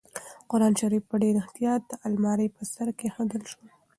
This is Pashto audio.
قرانشریف په ډېر احتیاط د المارۍ په سر کېښودل شو.